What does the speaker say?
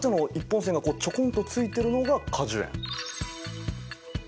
本線がチョコンとついてるのが果樹園。